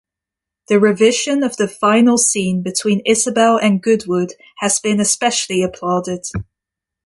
The revision of the final scene between Isabel and Goodwood has been especially applauded.